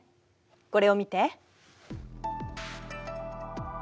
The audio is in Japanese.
これを見て。